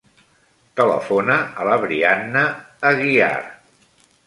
Telefona a la Brianna Aguiar.